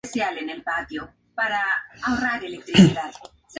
Fue utilizada como banda sonora de la telenovela "Corona de Lágrimas".